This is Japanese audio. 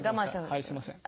はいすいません。